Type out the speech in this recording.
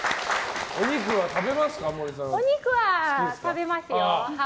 お肉は食べますよ。